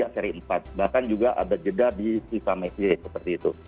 tiga seri empat bahkan juga ada jeda di siva mekie seperti itu